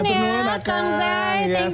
semangat kang zai